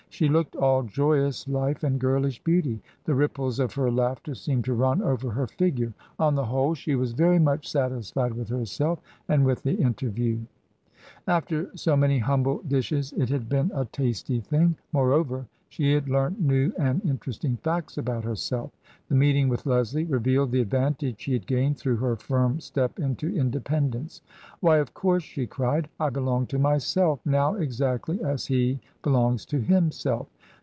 She looked all joyous life and girlish beauty; the ripples of her laughter seemed to run over her figure. On the whole, she was very much satisfied with herself and with the interview. After so many humble dishes, it had been a I40 TRANSITION. tasty thing. Moreover, she had learnt new and interest ing facts about herself. The meeting with Leslie revealed the advantage she had gained through her firm step into independence. "Why, of course!" she cried; "I belong to myself now exactly as he belongs to himself!